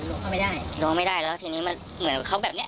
แต่มันล้วงเข้าไปได้ล้วงไม่ได้แล้วทีนี้มันเหมือนว่าเขาแบบเนี้ย